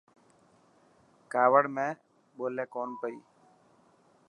ڪاوڙ ۾ ٻولي ڪونه پئي.